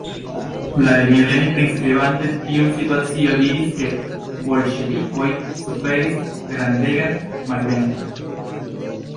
Vladimir Lenin priskribante tiun situacion diris, ke ""bolŝevikoj suferis grandegan malvenkon"".